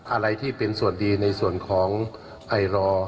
อะไรที่เป็นส่วนดีในส่วนของไอรอ